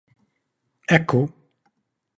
Hekk hu.